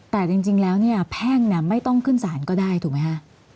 แต่จริงแล้วเนี่ยแพ่งไม่ต้องขึ้นสารก็ได้ถูกไหมคะ